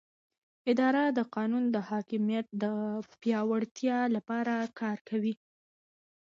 اداره د قانون د حاکمیت د پیاوړتیا لپاره کار کوي.